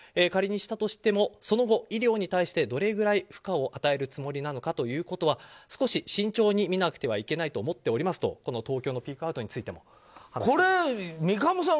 仮にしたとしても、その後医療に対してどれぐらい負荷を与えるつもりなのかということは少し慎重に見なくてはいけないと思っておりますと東京のピークアウトについても話しています。